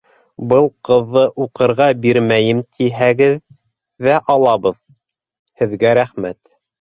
Был ҡыҙҙы уҡырға бирмәйем тиһәгеҙ ҙә алабыҙ, һеҙгә рәхмәт.